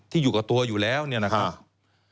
อยู่กับตัวอยู่แล้วเนี่ยนะครับ